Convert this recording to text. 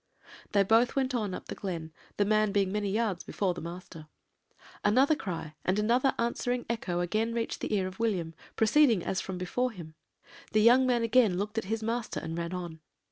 "They both went on up the glen, the man being many yards before the master. Another cry and another answering echo again reached the ear of William, proceeding as from before him. The young man again looked at his master and ran on.